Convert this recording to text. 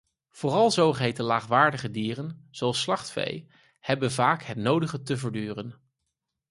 Vooral zogeheten laagwaardige dieren, zoals slachtvee, hebben vaak het nodige te verduren.